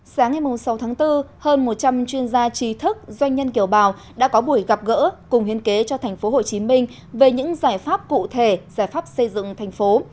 sáng ngày sáu tháng bốn hơn một trăm linh chuyên gia trí thức doanh nhân kiểu bào đã có buổi gặp gỡ cùng hiên kế cho tp hcm về những giải pháp cụ thể giải pháp xây dựng thành phố